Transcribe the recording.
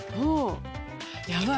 やばい。